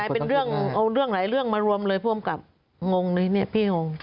กลายเป็นเรื่องเอาเรื่องหลายเรื่องมารวมเลยพรวมกับงงนี้เนี่ยพี่งง